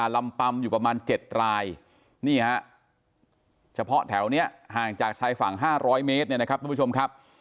ลำปัมอยู่ประมาณ๗รายนี่เฉพาะแถวนี้ห่างจากชายฝั่ง๕๐๐เมตร